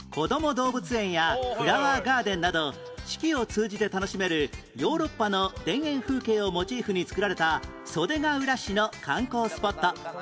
動物園やフラワーガーデンなど四季を通じて楽しめるヨーロッパの田園風景をモチーフに造られた袖ケ浦市の観光スポット